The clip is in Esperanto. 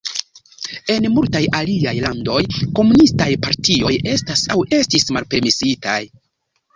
En multaj aliaj landoj, komunistaj partioj estas aŭ estis malpermesitaj.